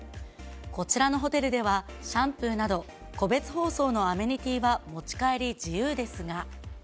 こちらのホテルでは、シャンプーなど、個別包装のアメニティーは持ち帰り自由ですが。